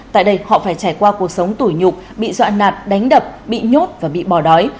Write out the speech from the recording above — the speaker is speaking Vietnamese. tại đây họ phải trải qua cuộc sống tủi nhục bị dọa nạt đánh đập bị nhốt và bị bỏ đói